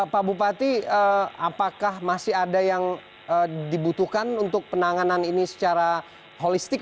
pak bupati apakah masih ada yang dibutuhkan untuk penanganan ini secara holistik